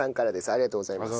ありがとうございます。